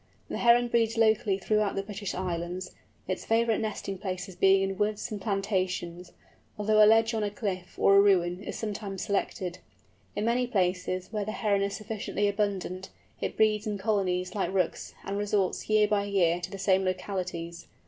The Heron breeds locally throughout the British Islands, its favourite nesting places being in woods and plantations, although a ledge on a cliff, or a ruin, is sometimes selected. In many places, where the Heron is sufficiently abundant, it breeds in colonies, like Rooks, and resorts, year by year, to the same localities.